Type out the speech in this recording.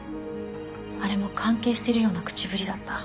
あれも関係してるような口ぶりだった。